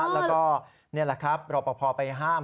แล้วก็นี่แหละครับรอปภไปห้าม